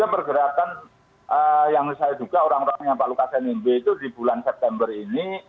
pergerakan yang saya duga orang orangnya pak lukas nmb itu di bulan september ini